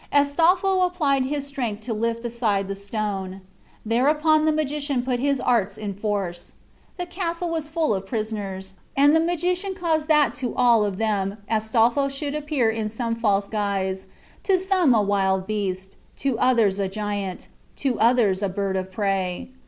Astolpho applied his strength to lift aside the stone. Thereupon the magician put his arts in force. The castle was full of prisoners, and the magician caused that to all of them Astolpho should appear in some false guise to some a wild beast, to others a giant, to others a bird of prey.